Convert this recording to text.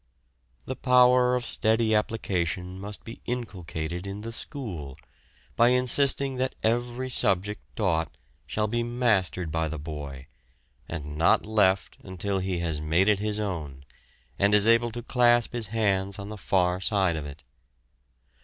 The power of steady application must be inculcated in the school, by insisting that every subject taught shall be mastered by the boy, and not left until he has made it his own, and is able to clasp his hands on the far side of it.